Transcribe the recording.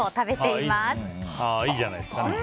いいじゃないですか。